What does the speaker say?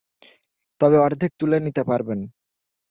তবে অর্ধেক তুলে নিতে পারবেন।